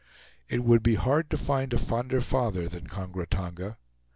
It would be hard to find a fonder father than Kongra Tonga.